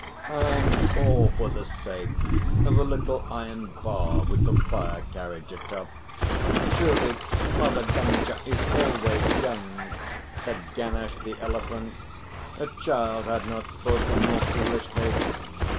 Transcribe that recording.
"And all for the sake of a little iron bar with the fire carriage atop. Truly, Mother Gunga is always young!" said Ganesh the Elephant. "A child had not spoken more foolishly.